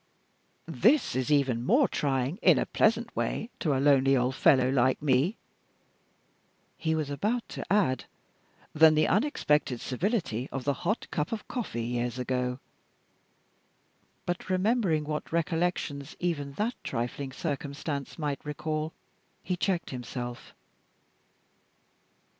"This is even more trying, in a pleasant way, to a lonely old fellow like me," he was about to add, "than the unexpected civility of the hot cup of coffee years ago"; but remembering what recollections even that trifling circumstance might recall, he checked himself.